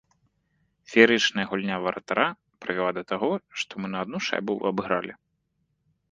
Феерычная гульня варатара прывяла да таго, што мы на адну шайбу абыгралі.